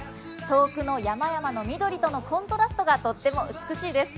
遠くの山々の緑とのコントラストがとっても美しいです。